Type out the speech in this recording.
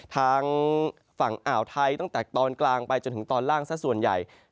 ทางฝั่งอ่าวไทยตั้งแต่ตอนกลางไปจนถึงตอนล่างสักส่วนใหญ่